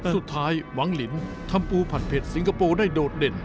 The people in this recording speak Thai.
สุดท้ายว้างลิ้นทำปูผัดเผ็ดซิงคโปร์ได้โดดเด่น